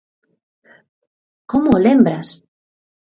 Como o lembras?